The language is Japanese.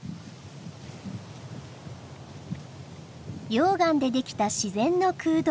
溶岩で出来た自然の空洞。